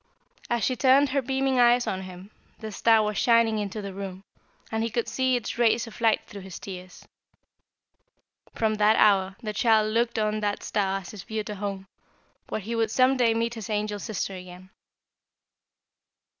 "As she turned her beaming eyes on him, the star was shining into the room, and he could see its rays of light through his tears. From that hour the child looked on that star as his future home, where he would some day meet his angel sister again.